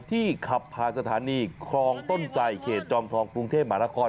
ที่ขับพาสถานีคลองต้นไซฯเขตจอมทองกรุงเทพมารคอน